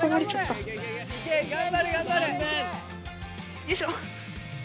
よいしょ。